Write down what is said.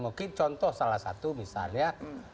mungkin contoh salah satu misalnya